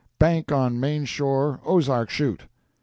bank on main shore Ozark chute.